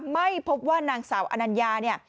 ไม่พบว่านางสาวอนัญญา